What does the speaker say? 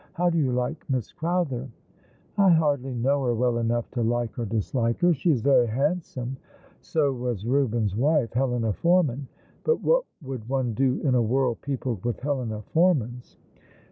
How do you like Miss Crowther ?" "I hardly know her well enough to like or dislike her. She is very handsome." " So was Eubens' wife, Helena Forman ; but what would one do in a world peopled with Helena Formans